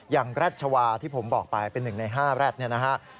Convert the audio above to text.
อย่างแรดชาวาที่ผมบอกไปเป็นหนึ่งใน๕แรดนี่นะครับ